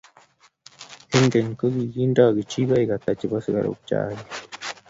eng kwekeny ko indeni kijikoik ata chebo sikaruk chaik